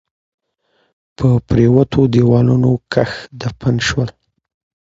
په پريوتو ديوالونو کښ دفن شول